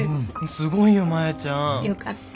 すごいよマヤちゃん。よかった。